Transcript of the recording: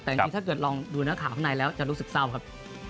แต่จริงถ้าเกิดลองดูนักข่าวข้างในแล้วจะรู้สึกเศร้าครับ